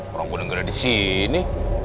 orang gue gak ada disini